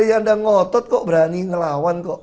ya anda ngotot kok berani ngelawan kok